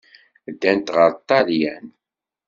Ddant ɣer Ṭṭalyan.